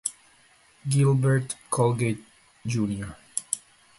Gilbert Colgate, Jr.